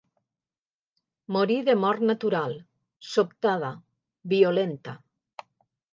Morir de mort natural, sobtada, violenta.